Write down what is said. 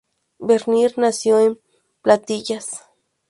Bernier nació en Patillas.